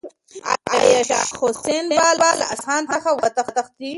آیا شاه حسین به له اصفهان څخه وتښتي؟